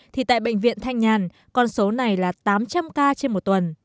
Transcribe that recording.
thì tại bệnh viện thanh nhàn con số này là tám trăm linh ca trên một tuần